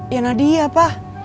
ya nadia pak